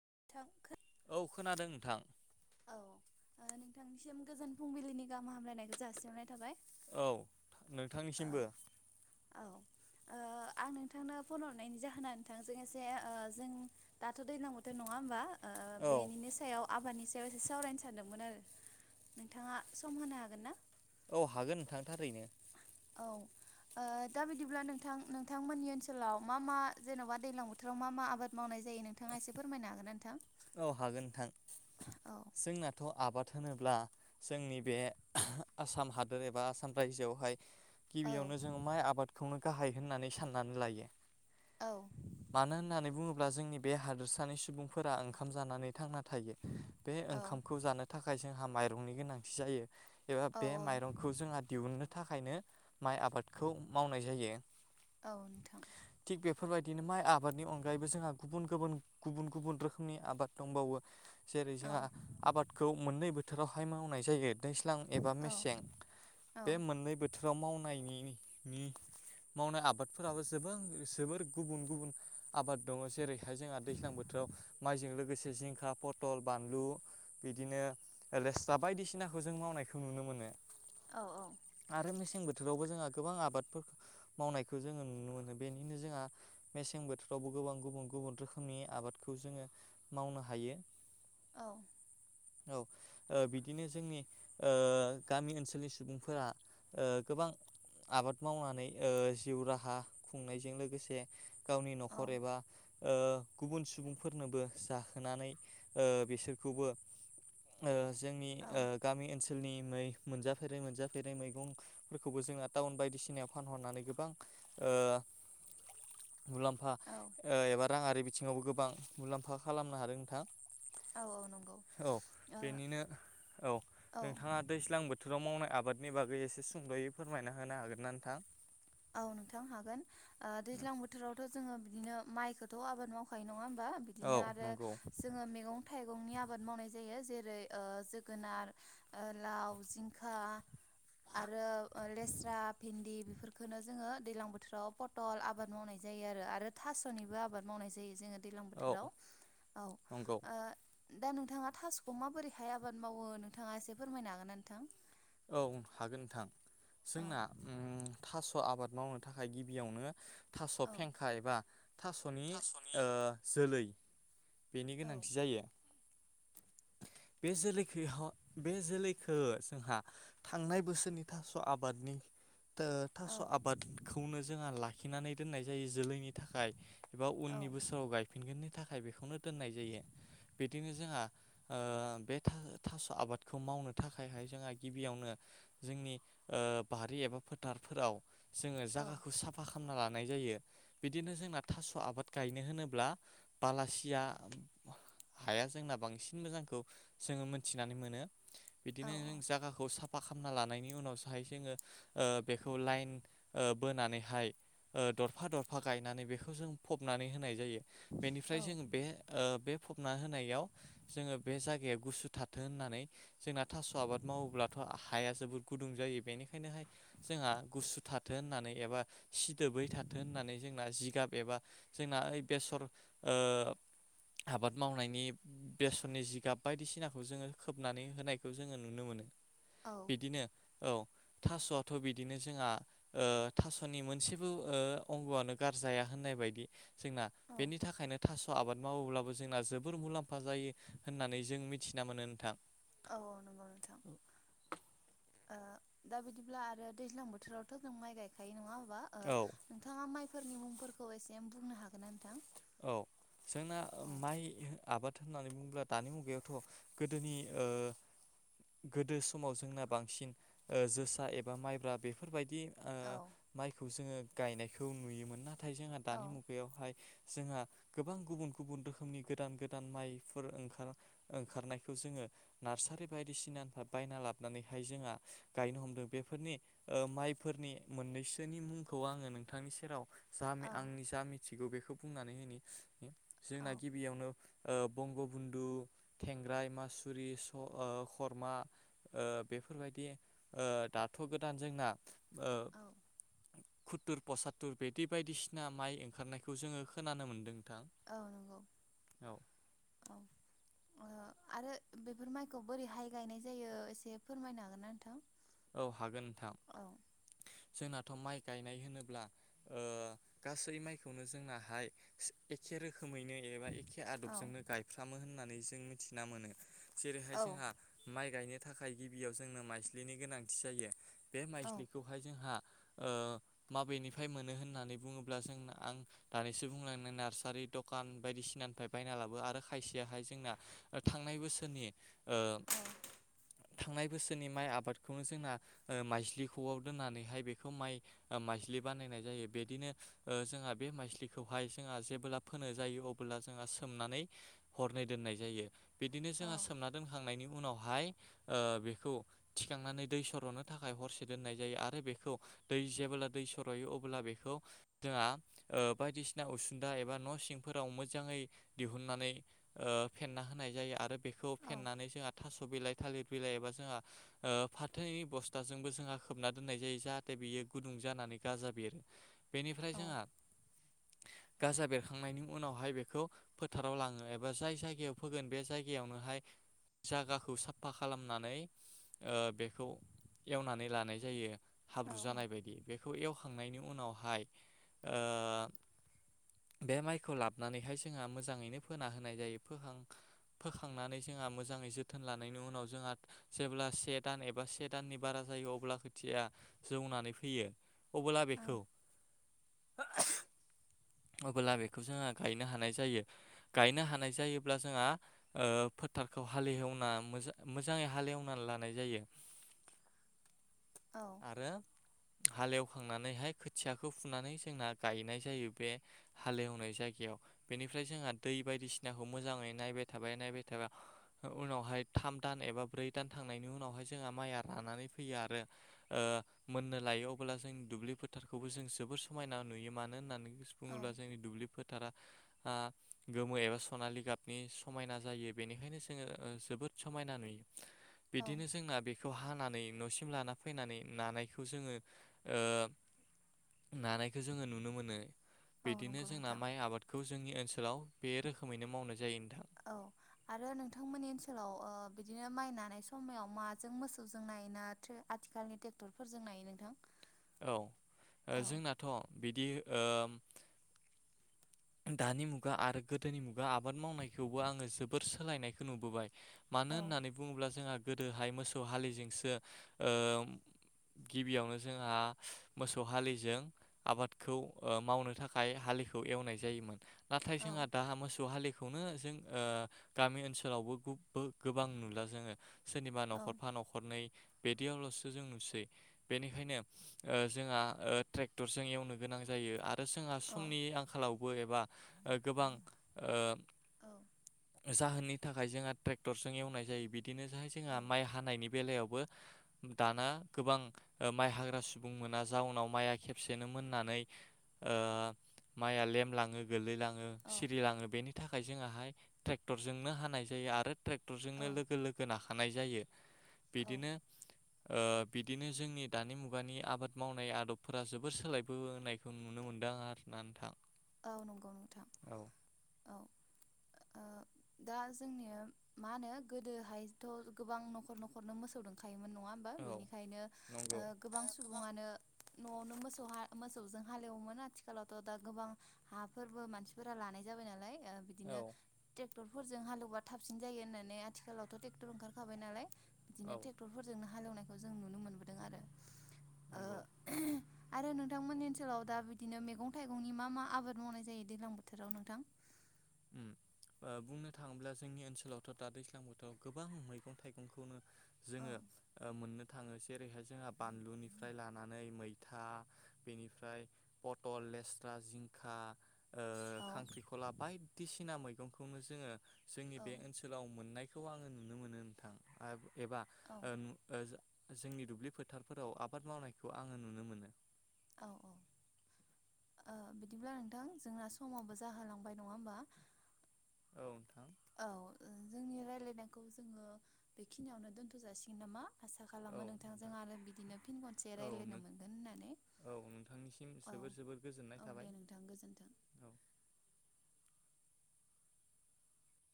[unintelligible] औ खोनादों नोंथां। औ ओ नोंथांनिसिम गोजोन फुंबिलिनि गाहाम हामलायनायखौ जासिहरनाय थाबाय। औ। औ नोंथांनिसिमबो। औ ओ आं नोंथांनो फन हरनायनि जाहोना नोंथांजों एसे जों दाथ दैलां बोथोर नंङा होमबा। ओ औ बेनिनो सायाव आबादनि। जायबास सावरायनो सानदोंमोन आरो नोंथाङा सम होनो हागोन ना? औ हागोन नोंथां थार ओरैनो। औ ओ दा बिदिब्ला नोंथां नोंथांमोननि ओनसोलाव मा मा जेनबा दैजलां बोथोराव मा मा आबाद मावनाय जायो नोंथाङा एसे फोरमायनो हागोन ना नोंथां? औ हागोन नोंथां औ जोंनाथ' आबाद होनोब्ला जोंनि बे आसाम हादोर एबा आसाम रायजोआवहाय। औ गिबियावनो जों माइ आबाद खौनो गाहाय होननानै साननानै लायो। औ मानो होननानै बुंङो। अब्ला जोंनि बे हादोरसानि सुबुंफोरा ओंखार। ओंखाम जानानै थांना। थायो बे औ ओंखामखौ जानो थाखाय। थाखाय जोंहा माइरंनि गोनांथि जायो। एबा औ बे माइरंखौ जोंहा दिहुननो। थाखायनो माइ आबादखौ मावनाय जायो। औ नोंथां। थिग बेफोरबायदिनो माइ आबादनि अनगायैबो जोंहा गुबुन-गुबुन-गुबुन-गुबुन रोखोम नि आबाद दंबावो। जेरै औ जोंहा आबादखौ मोननै बोथोर। बोथोरावहाय मावनाय जायो। दैस्लां एबा औ मेसें औ बे मोननै बोथोराव माव। नायनि मावनाय आबादफोराबो जां जोबोर गुबुन-गुबुन आबाद दंङ जेरैहाय जोंहा दैज्लां बोथोराव। माइजों लोगोसे जिंखा पथल बानलु बिदिनो रेस्रा बायदिसिनाखौ जों मावनायखौ नुनो मोनो। औ-औ आरो मेसें बोथोरावबो जोंहा गोबां आबादफोरखौ मावनायखौ जोंङो नुनो मोनो बेनिनो जोंहा मेसें बोथोरावबो गोबां गुबुन-गुबुन रोखोमनि आबादखौ जोंङो। मावनो हायो। औ औ ओ बिदिनो जोंनि ओ गामि ओनसोलनि सुबुंफोरा ओ गोबां आबाद मावनानै ओ जिउ राहा खुंनायजों लोगोसे। गावनि औ नखर एबा ओ गुबुन सुबुंफोर। नोबो जाखोनानै बिसोरखौबो। जोंनि औ ओ गामि ओनसोलनि। मोनजाफेरै मोनजाफेरै मैगंफोरखौबो जों टाउन बायदिसिनायाव फानहरनानै गोबां ओ मुलाम्फा औ ओ एबा रां आरि बिथिङावबो गोबां। मुलाम्फा खालामनो हादों नोंथां। औ नंगौ औ ओ बेनिनो औ नोंथाङा दैज्लां बोथोराव मावनाय आबाद। बादनि बागै एसे सुंद'यै फोरमायना होनो हागोन ना नोंथां औ नोंथां हागोन ओ दैज्लां बोथोरावथ' जोङो बिदिनो माइखौथ' आबाद मावखायो औ बिदिनो आरो नंगौ जोङो मैगं थाइगंनि आबाद मावनाय जायो जेरै ओ जोगोनार ओ लाव जिंखा आरो लेस्रा भिन्दि बेफोरखौ खौनो जोङो दैलां बोथोराव पथल आबाद मावनाय जायो आरो आरो थास'निबो आबाद मावनाय जायो जोङो दैलां औ बोथोराव औ नंगौ ओ दा नोंथांङा थास'खौ माबोरैहाय' आबाद मावो नोंथांङा एसे फोरमायनो हागोनना नोंथां औ हागोन नोंथां औ जोंना उम थास' आबाद मावनो थाखाय गिबियावनो थास' औ फेंखा एबा थास'नि ओ जोलै बिनि औ गोनांथि जायो बे जोलैखो ह' बे जोलैखो जोंहा थांनाय बोसोरनि थास' आबादनि ओ औ थास' आबादखौनो जोंहा थिनानै दोननाय जायो जोलैनि थाखाय एबा औ उननि बोसोराव गायफिनगोननि थाखाय बेखौनोथ दोननाय जायो बिदिनो जोंहा ओ थास' आबादखौ मावनो थाखायहाय जोंहा गिबियावनो जोंनि ओ बारि एबा फोथारफोराव जोंङो औ जागाखौ साफा खालामना गायनाय जायो बिदिनो जोंना थास' आबाद गायनो होनोब्ला बालासिया हाया जोंना बांसिन मोजांखौ जोंङो मोनथिनानै मोनो औ बिदिनो जों साफा फा [unintelligible] लानायनि उनाव [unintelligible] जोंङो ओ बेखौ लाइन ओ बोनानैहाय ओ दरफा दरफा गायनानै बेखौ जों फबनानै होनाय जायो। बेनिफ्राय औ जोंङो बे ओ बे फबना होनायाव जोंङो बे जायगाया गुसु थाथों होननानै जोंना थास' आबाद मावोब्लाथ' हाया जोबोद गुदुं जायो बेनिखायनोहाय जोंहा गुसु थाथों होननानै एबा सिदोबै थाथों होननानै जोंना जिगाब एबा जोंना ओइ बेसर ओ आबाद मावनायनि बेसरनि जिगाब बायदिसिनाखौ जोंङो खोबनानै होनायखौ जोंङो नुनो मोनो। औ बिदिनो औ थास'आथ' बिदिनो जोंहा ओ थास'नि मोनसेबो ओ अंग आनो गारजाया होननाय बायदि जोंना औ बेनि थाखायनो थास' आबाद मावोब्लाबो जोंना जोबोर मुलाम्फा जायो [unintelligible] होननानै जों मिथिना मोनो नोंथां। औ नंगौ नोंथां ओ दा बिदिब्ला आरो दैज्लां बोथोरावथ' जों माइ गायखायो नंङा औ [unintelligible] नोंथाङा माइफोरनि मुं फोरखौ एसे बुंनो हागोन ना नोंथां? औ जोंना औ माइ आबाद होननानै बुङोब्ला दानि मुगायावथ' गोदोनि अ गोदो समाव जोंना बांसिन जोसा एबा माइब्रा बेफोरबायदि बिदि अ औ माइखौ जोङो गायनायखौ नुयोमोन ना नाथाय जोंहा औ दानि मुगायावहाय जोंहा गोबां गुबुन गुबुन रोखोमनि गोदान गोदान माइफोर ओंखार ओंखारनायखौ जोङो नार्सारि बायदिसिनानिफ्राय बायना लाबोनानैहाय जोंहा गायनो हमदों बेफोरनि अ माइफोरनि मोननैसोनि मुंखौ आङो नोंथांनि सेराव जा औ आंनि जा मिथिगौ बेखौ बुंनानै होनि औ जोंना गिबियावनो बंग' बन्दु थेंग्राय मासुरि स खरमा अ बेफोरबायदि अ दाथ' गोदान जोंना अ औ खुत्तुर पसत्तुर बिदि बायदिसिना माइ ओंखारनायखौ जोङो खोनानो मोन्दों औ नंगौ औ अ आरो बेफोर माइखौ बोरैहाय गायनाय जायो एसे फोरमायनो हागोन ना नोंथां औ हागोन नोंथां औ जोंनाथ' माइ गायनाय होनोब्ला अ गासै माइखौनो जोंनाहाय एखे रोख खोमैनो एबा एखे औ आदबजोंनो गायफ्रामो होन होननानै जों मिथिना मोनो जेरैहाय औ जोंहा माइ गायनो थाखाय गिबियाव जोंनो माइस्लिनि गोनांथि जायो बे औ माइस्लिखौहाय जोंहा अ माबेनिफ्राय मोनो होननानै बुङोब्ला जों आं दानैसो बुंलांनो नार्सारि दकान बायदिसिनानिफ्राय बायना लाबो आरो खायसेयाहाय जोंना थांनाय बोसोरनि अ थांनाय बोसोरनि माइ आबाद बखौनो जोंना माइस्लिखौआव दोननानैहाय बेखौ माइ माइस्लि बानायनाय जायो बिदिनो जोंहा बे माइस्लिखौहाय जोंहा जेबोब्ला फोनो जायो अबोब्ला जोंहा सोमनानै हरनै दोननाय जायो बिदिनो जोंहा सोमना दोनहांनायनि उन उनावहाय अ बेखौ थि खांनानै दै स'नो थाखाय हरसे दोननाय जायो आरो बेखौ दै जेब्ला दै सर'यो अब्ला बेखौ जोंहा अ बायदिसिना उसुंदा एबा न' सिंफोराव मोजाङै दिहुननानै अ फेन्ना होनाय जायो आरो बेखौ औ फेनानै जोंहा थास स बिलाइ थालिर बिलाइ एबा जोंहा अ फाथोनि बस्थाजोंबो जोंहा खोबना दोननाय जायो जाहाथे बियो गुदुं जानानै गाजा बेरो बेनिफ्राय जोंहा गाजा बेरखांनायनि उनावहाय बेखौ फोथाराव लाङो एबा जाय जायगायाव फोगोन बे जायगायाव नोहाय जायगाखौ साफा खालामनानै अ बेखौ एवनानै लानाय जायो हाब्रु जानाय बायदि बेखौ एवखांनायनि उनावहाय अ बे माइखौ लाबोनानैहाय जोंहा मोजाङैनो फोना होनाय जायो फोखांनानै जोंहा मोजाङै जोथोन लानायनि उनाव जोंहा जेब्ला से दान एबा से दाननि बारा जायो अब्ला खोथिया जौनानै फैयो अब्ला बेखौ [unintelligible] अबोब्ला बेखौ जोंहा गायनो हानाय जायो गायनो हानाय जायोब्ला जोंहा अ फोथारखौ हालेवना मोजाङै हालेवनानै लानाय जायो आरो हालेवखांनानैहाय खोथियाखौ फुनानै जोंना गायनाय जायो बे हालेवनाय जायगायाव बेनिफ्राय जोंहा दै बायदिसिनाखौ मोजाङै नायबाय थाबाय नायबाय थाबाय उनावहाय थाम दान एबा ब्रै दान थांनायनि उनावहाय जोंहा माइया रानानै फैयो आरो मोननो लायो अब्ला जों दुब्लि फोथारखौबो जों जोबोर समायना नुयो मानो होननानै औ बुङोब्ला जोंनि दुब्लिफोर दारा गोमो एबा सनालि गाबनि समायना जायो बेनिखायनो जोङो जोबोद समायना नुयो औ बिदिनो जोंना बेखौ हानानै नसिम लाना फैनानै नानायखौ जोङो नुनो मोनो औ बिदिनो नंगौ जोंना नोंथां माइ आबादखौ जोंनि ओनसोल ओनसोलाव बे रोखोमैनो मावनाय जायो नोंथां औ आरो नोंथांमोननि ओनसोलाव ओ बिदिनो माइ नानाय समाव माजों मोसौजों नायोना ना आथिखालनि ट्रेक्टरफोरजों नायो नोंथां औ जोंनाथ बिदि ओम दानि मुगा आरो गोदोनि मुगा आबाद मावनायखौबो आङो जोबोद सोलायनायखौ नुबोबाय मानो औ होननानै बुङोब्ला जोंहा गोदोहाय मोसौ हलिजोंसो ओ गिबियावनो जोंहा मोसौ हालिजों आबादखौ मावनो थाखाय हालिखौ एवनाय जायोमोन नाथाय औ जोंहा दा मोसौ हालि खौनो जों गामि ओनसोलावबो गोबां नुला जोङो सोरनिबा औ नखरफा नखरनै बिदियावलसो जों नुसै बेनिखायनो जोंहा ट्रेक्टरजों एवनो गोनां जायो आरो जोंहा औ समनि आंखालाव एबा गोबां ओ औ जाहोन नि थाखाय जोंहा ट्रेक्टरजों एवनाय जायो बि बिदिनो जाय जोंहा औ माइ हानायनि बेलायावबो दाना गोबां माइ हाग्रा सुबुं मोना जाउनाव माइआ खेबसेनो मोननानै माया लेम लाङो गोलैलाङो सिरिलाङो बेनि थाखाय थाखाय जोङा ट्रेक्टरजोंनो हानाय जायो आरो ट्रेक्टरजोंनो औ लोगो लोगो नाखानाय जायो औ बिदिनो बिदिनो जोंनि दानि मुगानि आबाद मावनाय आदबफोरा जोबोर सोलायबोनायखौ नुनो मोनदों आरोना नोंथां। औ नंगौ नोंथां औ औ। दा जोंनिया मा होनो गोदोहायथ' गोबां न'खर न'खरनो मोसौ दंखायोम। नङा होमबा औ बिनिखायनो नंगौ गोबां सुबुङानो। न'आवनो मोसौ मोसौजों हालेवोमोन आथिखालावथ' दा गोबां। हाफोरबो मानसिफोरा लानाय जाबाय नालाय। ओ औ बिदिनो। क्टरफोरजों हालेवा थाबसिन जायो होननानै आथिखालावथ' ट्रेक्टर ओंखारखाबाय नालाय। औ बिदिनो ट्रेक्टरफोरजोंनो। हालेवनायखौ जों नुनो मोनबोदों आरो। ओ नंगौ। आरो नोंथांमोननि ओनसोलाव दा बिदिनो मैगं थाइगंनि मा मा। आबाद मावनाय जायो दैज्लां बोथोराव नोंथां। उम ओ बुंनो थाङोब्ला जोंनि ओनसोलावथ' दा दैज्लां बोथोराव गोबां मैगं थाइगंखौनो। औ जोङो ओ मोननो। थाङो जेरैहाय जोंहा बानलुनिफ्राय लानानै मैथा बेनिफ्राय पटल लेस्रा जिंखा। ओ औ खांख्रिखला बाय सिना मैगंखौनो जोङो। जोंनि औ बे ओनसोलाव मोननाय। बेखौ आङो नुनो मोनो नोंथां आ एबा। औ जोंनि दुब्लि फोथारफोराव आबाद मावनायखौ आङो नुनो मोनो। औ औ ओ बिदिब्ला नोंथां जोंना समाबो जाहोलांबाय नङा होमबा। औ नोंथां। औ जोंनि रायलायनायखौ जोङो बेखिनियावनो दोनथ' जासिगोन नामा। आसा औ खालामो नोंथांजों नोंथां आरो बिदिनो फिन खनसे औ रायज्लायनो नों मोनगोन होननानै औ नोंथांनिसिम औ जोबोर जोबोर गोजोननाय औ थाबाय दे नोंथां गोजोन्थों। औ